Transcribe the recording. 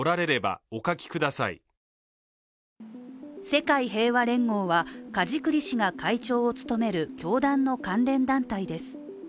世界平和連合は梶栗氏が会長を務める教団の関連団体です。